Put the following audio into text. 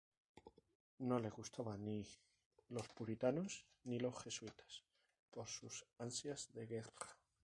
No le gustaban ni los puritanos ni los jesuitas por sus ansias de guerra.